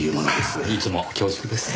いつも恐縮です。